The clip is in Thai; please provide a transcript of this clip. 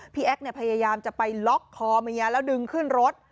พี่แอ๊กพยายามจะไปล็อกคอมเครื่องตาแล้วดึงขึ้นรถ